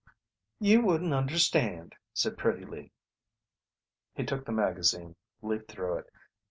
"You wouldn't understand," said Pretty Lee. He took the magazine, leafed through it.